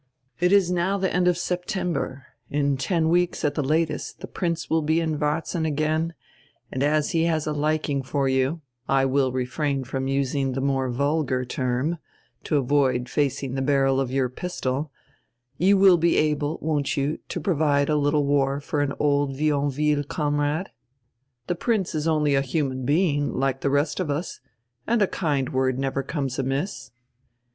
It is now the end of September. In ten weeks at the latest the Prince will be in Varzin again, and as he has a liking for you — I will refrain from using the more vulgar term, to avoid facing the barrel of your pistol — you will be able, won't you, to provide a little war for an old Vionville com rade? The Prince is only a human being, like the rest of us, and a kind word never comes amiss."